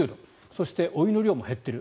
そしてお湯の量も減っている。